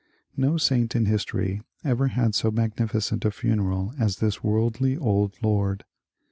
No saint in history ever had so magnificent a funeral as this worldly old lord.